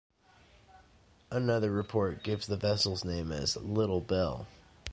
Another report gives the vessel's name as "Little Bell".